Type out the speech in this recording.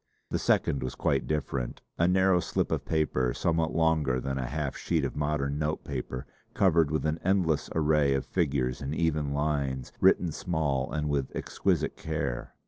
The second was quite different: a narrow slip of paper somewhat longer than a half sheet of modern note paper, covered with an endless array of figures in even lines, written small and with exquisite care.